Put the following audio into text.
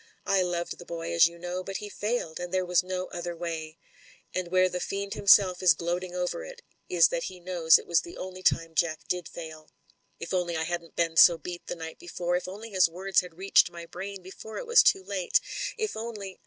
I loved the boy, as you know, but he failed, and there was no other way. And where the fiend himself is gloating over it is that he knows it was the only time Jack did fail. If only I hadn't been so beat the night before; if only his words had reached my brain before it was too late. If only